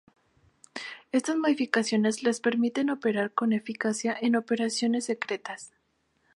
Estas modificaciones les permiten operar con eficacia en operaciones secretas.